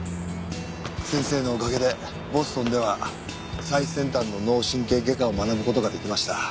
先生のおかげでボストンでは最先端の脳神経外科を学ぶ事ができました。